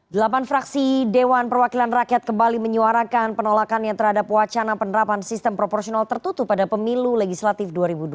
delapan fraksi dewan perwakilan rakyat kembali menyuarakan penolakannya terhadap wacana penerapan sistem proporsional tertutup pada pemilu legislatif dua ribu dua puluh